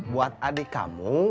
buat adik kamu